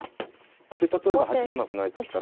で例えば８七歩成と来たら。